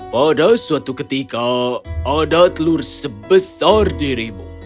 pada suatu ketika ada telur sebesar dirimu